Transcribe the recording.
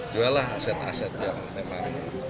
jual lah aset aset yang memang